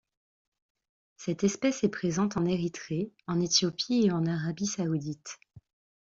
Cette espèce est présente en Érythrée, en Éthiopie et en Arabie Saoudite.